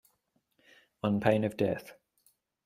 On pain of death.